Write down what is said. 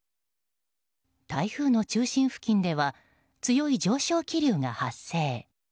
台風の中心付近では強い上昇気流が発生。